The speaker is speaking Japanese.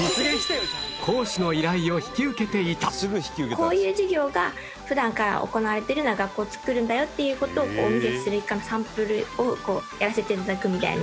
こういう授業が普段から行われているような学校を作るんだよっていう事をお見せするサンプルをやらせて頂くみたいな。